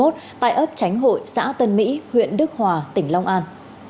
tại ấp chánh hội xã tân mỹ huyện đức hòa tỉnh long an